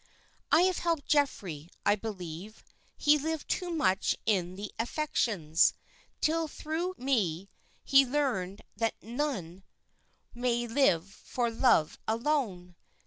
"I have helped Geoffrey, I believe. He lived too much in the affections, till through me he learned that none may live for love alone.